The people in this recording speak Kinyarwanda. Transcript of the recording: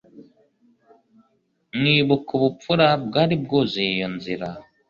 nkibuka ubupfura bwari bwuzuye iyo nzira